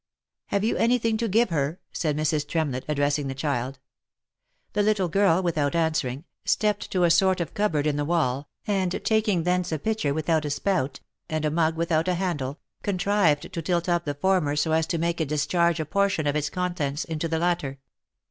" Have you any thing to give her?" said Mrs. Tremlett, addressing the child. The little girl without answering, stepped to a sort of cupboard in the wall, and taking thence a pitcher without a spout, and a mug without a handle, contrived to tilt up the former so as to make it dis charge a portion of its contents into the latter.